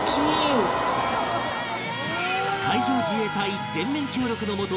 海上自衛隊全面協力のもと